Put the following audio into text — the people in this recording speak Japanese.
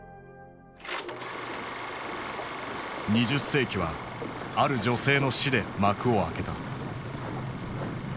２０世紀はある女性の死で幕を開けた。